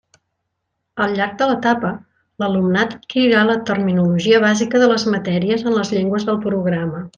Al llarg de l'etapa l'alumnat adquirirà la terminologia bàsica de les matèries en les llengües del programa.